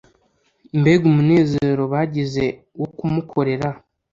Mbega umunezero bagize wo kumukorera ?